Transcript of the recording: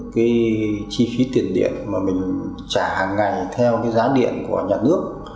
cái chi phí tiền điện mà mình trả hàng ngày theo cái giá điện của nhà nước